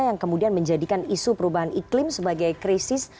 yang kemudian menjadikan isu perubahan iklim sebagai krisis